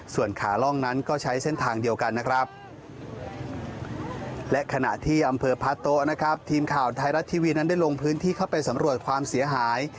ส่วนขาล่องนั้นก็ใช้เส้นทางเดียวกันนะครับและขณะที่อำเภอพระโต๊ะนะครับทีมข่าวไทยรัฐทีวีนั้นได้ลงพื้นที่เข้าไปสำรวจความเสียหาย